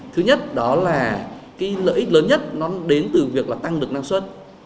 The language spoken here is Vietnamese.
thứ nhất đó là cái lợi ích lớn nhất nó đến từ việc là tăng được năng suất